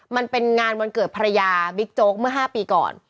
มันเป็นงานวันเกิดภรรยาบิ๊กโจ๊กเมื่อ๕ปีก่อน